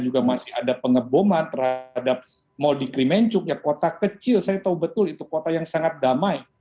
juga masih ada pengeboman terhadap mau dikrimencuk ya kota kecil saya tahu betul itu kota yang sangat damai